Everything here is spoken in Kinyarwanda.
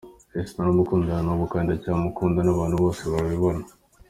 Esther naramukundaga, n’ubu kandi ndacyamukunda, n’abantu bose babibona.